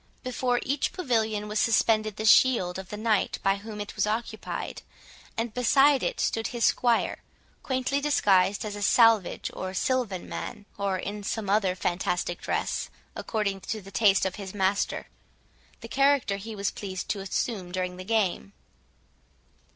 Before each pavilion was suspended the shield of the knight by whom it was occupied, and beside it stood his squire, quaintly disguised as a salvage or silvan man, or in some other fantastic dress, according to the taste of his master, and the character he was pleased to assume during the game.